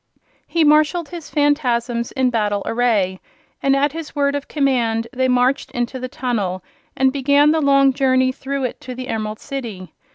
He marshaled his Phanfasms in battle array and at his word of command they marched into the tunnel and began the long journey through it to the Emerald City.